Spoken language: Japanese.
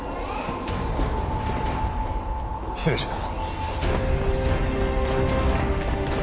失礼します。